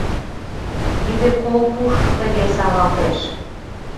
Тиде кол пуш тыге савалтеш.